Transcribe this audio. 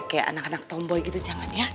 kayak anak anak tomboy gitu jangan ya